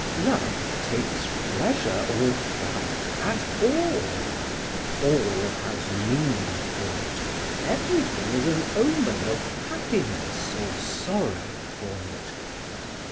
Love takes pleasure or fright at all, all has meaning for it, everything is an omen of happiness or sorrow for it.